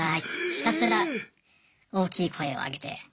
ひたすら大きい声を上げて。